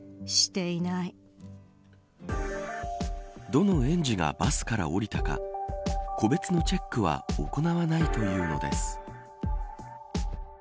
どの園児がバスから降りたか個別のチェックは行わないというのです。